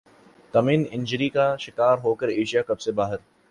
تمیم injury کا شکار ہو کر ایشیا کپ سے باہر